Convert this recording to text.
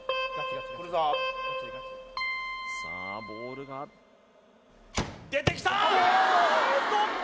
さあボールが出てきた！